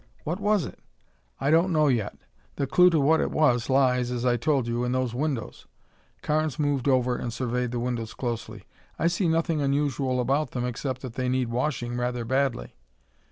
"What was it?" "I don't know yet. The clue to what it was lies, as I told you, in those windows." Carnes moved over and surveyed the windows closely. "I see nothing unusual about them except that they need washing rather badly."